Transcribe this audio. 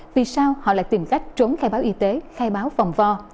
vì sao họ lại tìm cách trốn khai báo y tế khai báo vòng vo